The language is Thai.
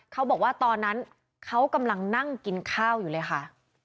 เขาบอกว่าตอนนั้นเขากำลังนั่งกินข้าวอยู่เลยค่ะ